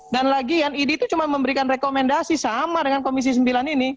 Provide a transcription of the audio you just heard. dan lagi ya idi itu cuma memberikan rekomendasi sama dengan komisi sembilan ini